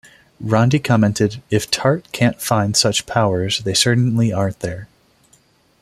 Randi commented "If Tart can't find such powers, they certainly aren't there!".